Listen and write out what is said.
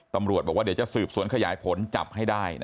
ตำรวจบอกว่าเดี๋ยวจะสืบสวนขยายผลจับให้ได้